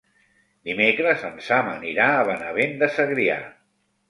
Dimecres en Sam anirà a Benavent de Segrià.